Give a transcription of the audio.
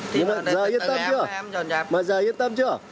giờ yên tâm chưa giờ yên tâm chưa